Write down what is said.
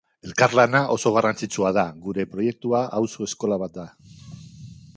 Elkarlana oso garrantzitsua da, gure proiektua auzo eskola bat da.